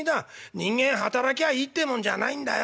人間働きゃいいってもんじゃないんだよ。